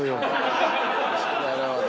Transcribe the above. なるほど。